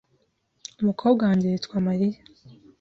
Umukobwa wanjye yitwa Mariya .